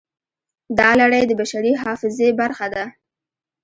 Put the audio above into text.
دا لړۍ د بشري حافظې برخه ده.